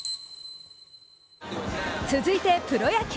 続いてプロ野球。